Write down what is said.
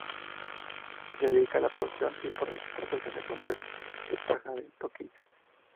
Se dedica a la producción y exportación de sombreros de paja toquilla.